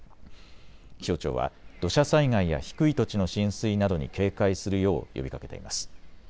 気象庁は土砂災害や低い土地の浸水などに警戒するよう呼びかけています。